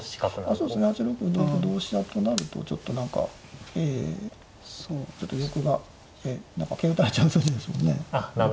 そうですね８六歩同歩同飛車となるとちょっと何かええそうちょっと玉が何か桂打たれちゃう筋ですもんね。